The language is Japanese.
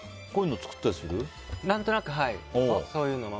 何となく、そういうのは。